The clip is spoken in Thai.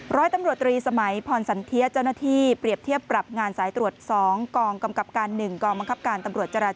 ร้อยตำรวจตรีสมัยพรสันเทียเจ้าหน้าที่เปรียบเทียบปรับงานสายตรวจ๒กองกำกับการ๑กองบังคับการตำรวจจราจร